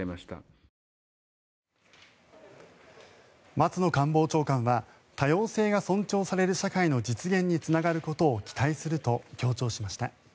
松野官房長官は多様性が尊重される社会の実現につながることを期待すると強調しました。